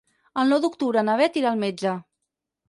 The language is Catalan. El nou d'octubre na Bet irà al metge.